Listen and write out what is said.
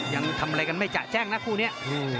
ยังทำอะไรกันไม่จะแจ้งนะคู่นี้